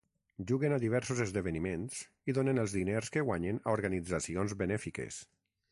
Juguen a diversos esdeveniments i donen els diners que guanyen a organitzacions benèfiques.